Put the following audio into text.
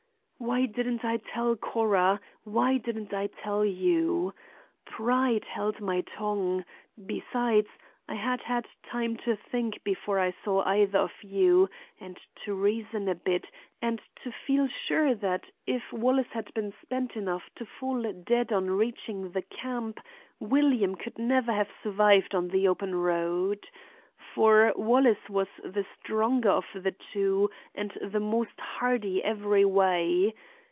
"Why didn't I tell Cora; why didn't I tell you? Pride held my tongue; besides, I had had time to think before I saw either of you, and to reason a bit and to feel sure that if Wallace had been spent enough to fall dead on reaching the camp, William could never have survived on the open road. For Wallace was the stronger of the two and the most hardy every way.